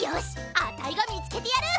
あたいがみつけてやる！